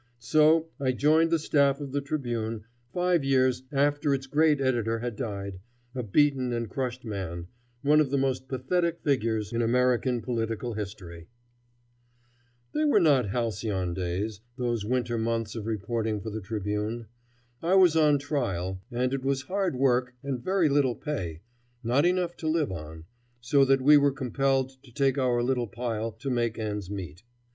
So I joined the staff of the Tribune five years after its great editor had died, a beaten and crushed man, one of the most pathetic figures in American political history. They were not halcyon days, those winter months of reporting for the Tribune. I was on trial, and it was hard work and very little pay, not enough to live on, so that we were compelled to take to our little pile to make ends meet.